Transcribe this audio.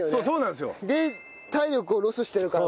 で体力をロスしてるから。